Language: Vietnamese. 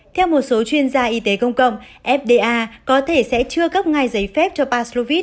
theo một số chuyên gia y tế công cộng fda có thể sẽ chưa cấp ngay giấy phép cho pasovit